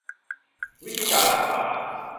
วิธีการรักษา